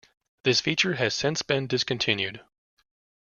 This feature has since been discontinued.